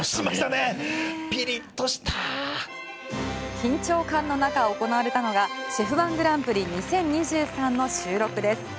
緊張感の中、行われたのが「ＣＨＥＦ−１グランプリ２０２３」の収録です。